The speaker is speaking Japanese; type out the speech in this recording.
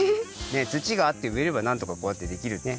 つちがあってうえればなんとかこうやってできるね。